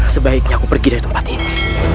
sebaiknya aku pergi dari tempat ini